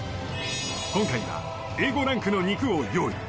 今回はＡ５ランクの肉を用意